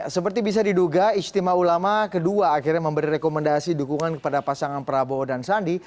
seperti bisa diduga istimewa ulama kedua akhirnya memberi rekomendasi dukungan kepada pasangan prabowo dan sandi